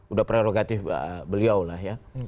udah prerogatif beliau lah ya